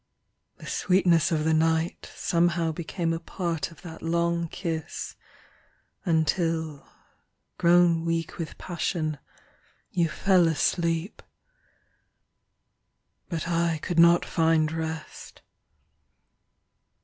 The sweetness of the night Somehow became a part of that long kiss, Until, grown weak with passion, 5 You fell asleep. But I could not find rest.